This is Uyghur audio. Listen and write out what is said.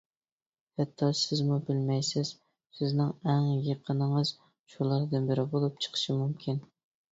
ھەتتا سىزمۇ بىلمەيسىز سىزنىڭ ئەڭ يېقىنىڭىز شۇلاردىن بىرى بولۇپ چىقىشى مۇمكىن.